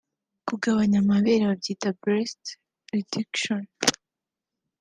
Kugabanya amabere byitwa Breast Reduction